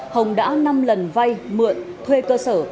hồng đã năm lần vay mượn thuê cơ sở